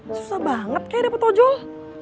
susah banget kayak dapet tojol